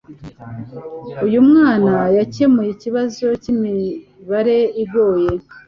Uyu mwana yakemuye ikibazo cyimibare igoye